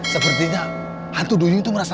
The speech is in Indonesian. sepertinya hantu doni itu merasa